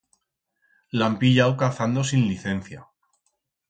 L'han pillau cazando sin licencia.